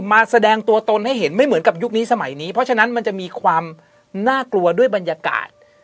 แสดงตัวตนให้เห็นไม่เหมือนกับยุคนี้สมัยนี้เพราะฉะนั้นมันจะมีความน่ากลัวด้วยบรรยากาศ